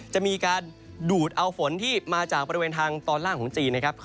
จะมีการดูดเอาฝนที่มาจากบริเวณทางตอนล่างของจีนนะครับ